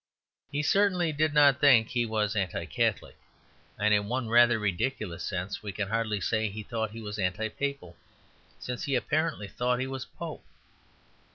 He certainly did not think he was Anti Catholic; and, in one rather ridiculous sense, we can hardly say that he thought he was anti papal, since he apparently thought he was a pope.